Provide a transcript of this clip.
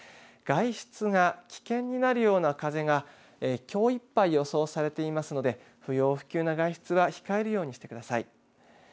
外出が危険になるような風がきょういっぱい予想されていますので不要不急の外出は控えるようにしてください。